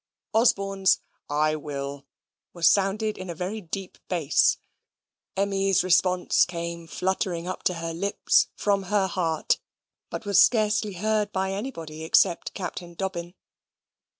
Osborne's "I will" was sounded in very deep bass. Emmy's response came fluttering up to her lips from her heart, but was scarcely heard by anybody except Captain Dobbin.